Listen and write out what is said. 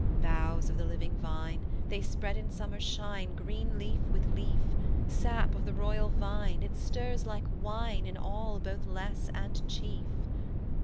"Boughs of the Living Vine, They spread in summer shine Green leaf with leaf: Sap of the Royal Vine, it stirs like wine In all both less and chief.